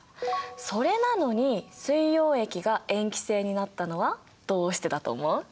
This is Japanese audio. それなのに水溶液が塩基性になったのはどうしてだと思う？